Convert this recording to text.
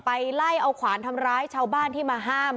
ไล่เอาขวานทำร้ายชาวบ้านที่มาห้าม